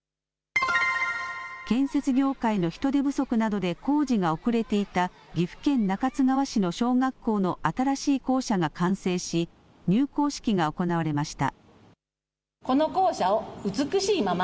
建設業界の人手不足などで工事が遅れていた、岐阜県中津川市の小学校の新しい校舎が完成し、入校式が行われました。